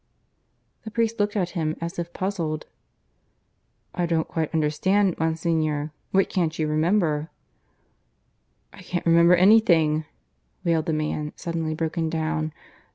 The priest looked at him as if puzzled. "I don't quite understand, Monsignor. What can't you remember?" "I can't remember anything," wailed the man, suddenly broken down.